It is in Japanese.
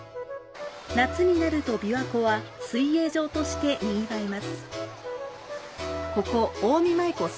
夏になると琵琶湖は、水泳場として賑わいます。